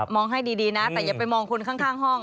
ให้ดีนะแต่อย่าไปมองคนข้างห้อง